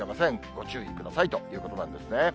ご注意くださいということなんですね。